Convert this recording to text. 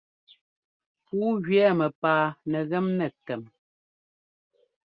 Pǔu jʉɛ́ mɛpaa nɛgem nɛ kɛm.